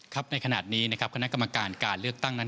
ครับในขณะนี้คณะกรรมการการเลือกตั้งนั้น